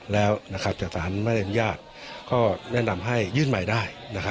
แล้วจากฐานแม่นญาติก็แนะนำให้ยื่นใหม่ได้